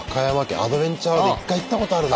アドベンチャー１回行ったことあるな。